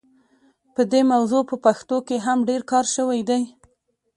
په دې موضوع په پښتو کې هم ډېر کار شوی دی.